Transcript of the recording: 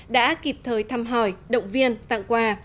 đã kịp thời thăm hỏi động viên tặng quà